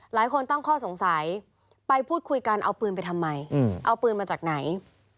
หลายคนตั้งข้อสงสัยไปพูดคุยกันเอาปืนไปทำไมเอาปืนมาจากไหน